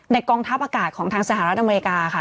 แม้คะว่าบางขณะของทางสหรัฐอเมริกาค่ะ